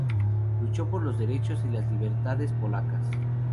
Luchó por los derechos y las libertades polacas.